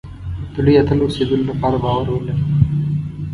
د لوی اتل اوسېدلو لپاره باور ولرئ.